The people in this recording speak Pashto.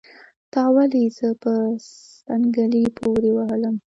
تا ولې زه په څنګلي پوري وهلم